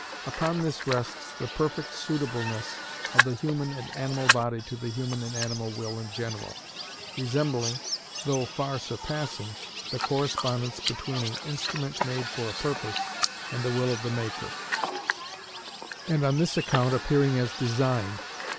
Upon this rests the perfect suitableness of the human and animal body to the human and animal will in general, resembling, though far surpassing, the correspondence between an instrument made for a purpose and the will of the maker, and on this account appearing as design, _i.e.